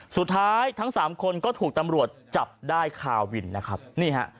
ทั้งสามคนก็ถูกตำรวจจับได้คาวินนะครับนี่ฮะ